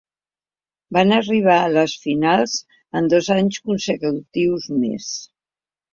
Van arribar a les finals en dos anys consecutius més.